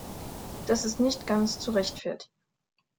Das ist nicht ganz zu rechtfertigen.